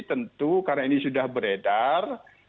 tentu karena ini sudah beredar